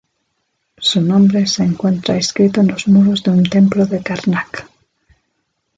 Su nombre se encuentra inscrito en los muros de un templo de Karnak.